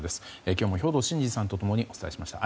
今日も兵頭慎治さんと共にお伝えしました。